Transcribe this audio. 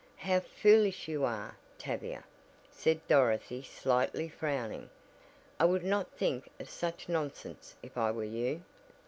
"How foolish you are, Tavia," said Dorothy slightly frowning, "I would not think of such nonsense if I were you."